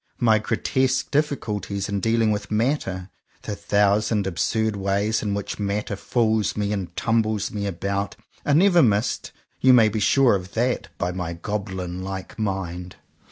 My grotesque difficulties in dealing with ''matter," the thousand absurd ways in which matter fools me and tumbles me about, are never missed — you may be sure of that! — by my goblin like mind.